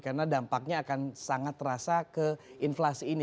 karena dampaknya akan sangat terasa ke inflasi ini